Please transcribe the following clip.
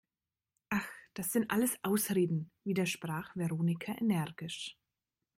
Ach, das sind alles Ausreden!, widersprach Veronika energisch.